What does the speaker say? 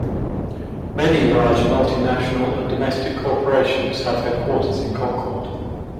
Many large multi-national and domestic corporations have headquarters in Concord.